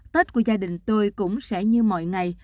tết của gia đình tôi cũng sẽ như mọi ngày